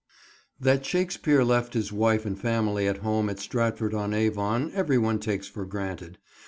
THAT Shakespeare left his wife and family at home at Stratford on Avon every one takes for granted.